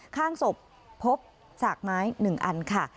ข้างศพพบสากไม้๑อันค่ะ